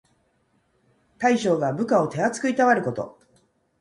大将が部下を手あつくいたわること。